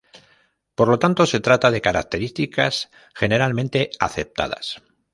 Por lo tanto se trata de características generalmente aceptadas.